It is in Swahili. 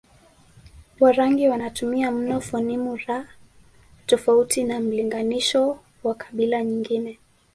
Warangi wanatumia mno fonimu r tofauti na mlinganisho wa kabila nyingine